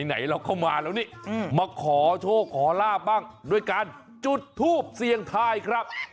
ไหนเราเข้ามาแล้วนี่มาขอโชคขอลาบบ้างด้วยการจุดทูปเสี่ยงทายครับ